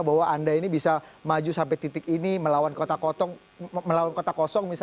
bahwa anda ini bisa maju sampai titik ini melawan kota kosong